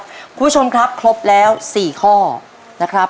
คุณผู้ชมครับครบแล้ว๔ข้อนะครับ